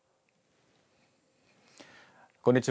こんにちは。